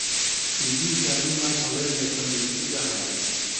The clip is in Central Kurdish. ئیدی زانیمان هەڵەیەک لە تەندروستیدا هەیە